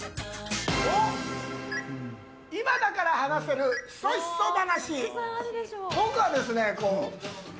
今だから話せるヒソヒソ話。